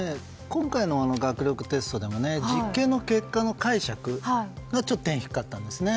今回の学力テストでも実験の結果の解釈の点が低かったんですね。